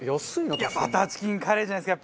バターチキンカレーじゃないですか？